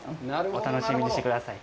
お楽しみにしてください。